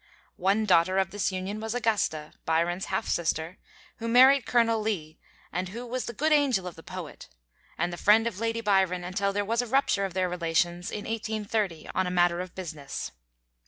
One daughter of this union was Augusta, Byron's half sister, who married Colonel Leigh, and who was the good angel of the poet, and the friend of Lady Byron until there was a rupture of their relations in 1830 on a matter of business.